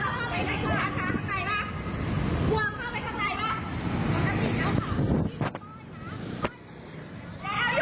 ก็ไม่มีคนเข้ามาไม่มีคนเข้ามา